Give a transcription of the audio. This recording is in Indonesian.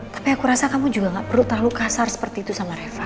tapi aku rasa kamu juga gak perlu terlalu kasar seperti itu sama reva